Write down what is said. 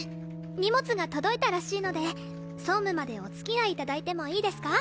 荷物が届いたらしいので総務までお付き合い頂いてもいいですか？